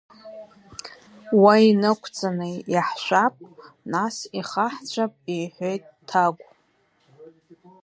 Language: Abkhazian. Уа инықәҵаны иаҳшәап, нас ихаҳҵәап, — иҳәеит Ҭагә.